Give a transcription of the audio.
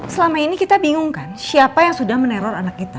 selama ini kita bingungkan siapa yang sudah meneror anak kita